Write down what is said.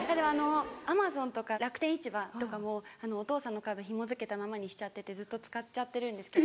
Ａｍａｚｏｎとか楽天市場とかもお父さんのカードひもづけたままにしちゃっててずっと使っちゃってるんですけど。